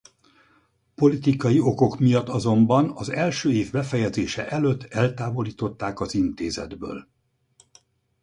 Politikai okok miatt azonban az első év befejezése előtt eltávolították az intézetből.